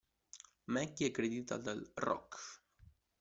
Maggie aggredita dal rock.